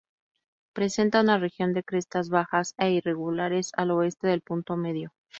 Presenta una región de crestas bajas e irregulares al oeste del punto medio.